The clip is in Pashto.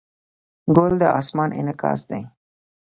ګل د اسمان انعکاس دی.